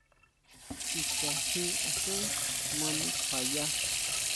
Kicha jin asen ʼma nukjuaya.